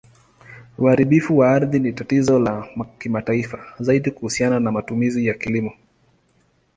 Uharibifu wa ardhi ni tatizo la kimataifa, zaidi kuhusiana na matumizi ya kilimo.